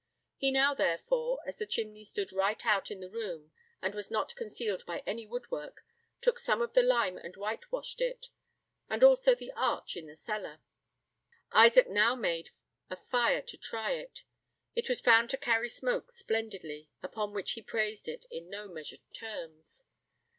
He now, therefore, as the chimney stood right out in the room, and was not concealed by any woodwork, took some of the lime and white washed it, and also the arch in the cellar. Uncle Isaac now made a fire to try it. It was found to carry smoke splendidly, upon which he praised it in no measured terms.